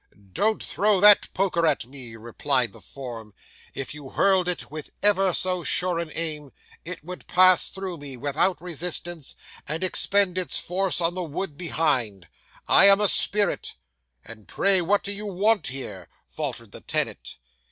"Don't throw that poker at me," replied the form; "if you hurled it with ever so sure an aim, it would pass through me, without resistance, and expend its force on the wood behind. I am a spirit." "And pray, what do you want here?" faltered the tenant.